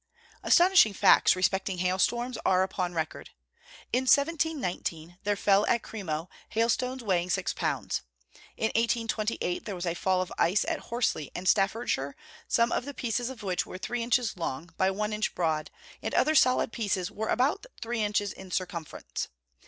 Astonishing facts respecting hail storms are upon record. In 1719 there fell at Kremo, hailstones weighing six pounds. In 1828 there was a fall of ice at Horsley, in Staffordshire, some of the pieces of which were three inches long, by one inch broad; and other solid pieces were about three inches in circumference.